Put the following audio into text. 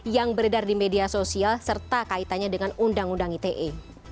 yang beredar di media sosial serta kaitannya dengan undang undang ite